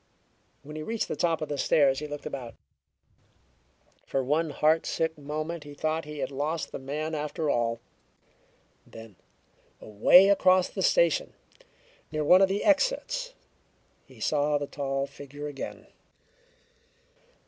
When he reached the top of the stairs he looked about. For one heartsick moment he thought he had lost the man after all. Then, away across the station, near one of the exits, he saw the tall figure again.